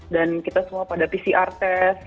dan kita semua pada pcr test